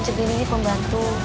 centini ini pembantu